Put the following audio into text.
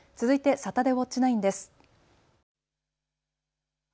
サタデーウオッチ９です。